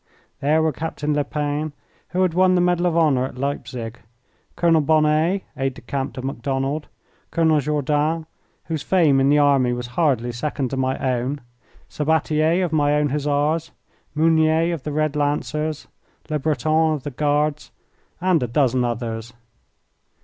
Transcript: There were Captain Lepine, who had won the medal of honour at Leipzig; Colonel Bonnet, aide de camp to Macdonald; Colonel Jourdan, whose fame in the army was hardly second to my own; Sabbatier of my own Hussars, Meunier of the Red Lancers, Le Breton of the Guards, and a dozen others.